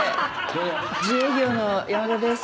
自営業の山田です。